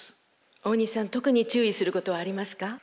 大西さん特に注意することはありますか？